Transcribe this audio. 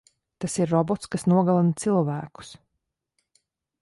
Tas ir robots, kas nogalina cilvēkus.